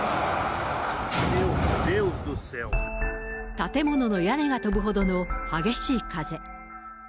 建物の屋根が飛ぶほどの激しい風。